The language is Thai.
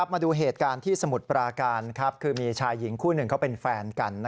มาดูเหตุการณ์ที่สมุทรปราการคือมีชายหญิงคู่หนึ่งเขาเป็นแฟนกัน